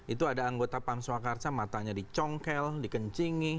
itu ada anggota pamswa karsa matanya dicongkel dikencingi